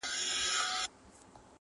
او يوازي له شرمه تېښته غواړي-